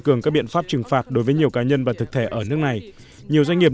cường các biện pháp trừng phạt đối với nhiều cá nhân và thực thể ở nước này nhiều doanh nghiệp